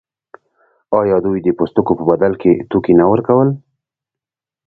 آیا دوی د پوستکو په بدل کې توکي نه ورکول؟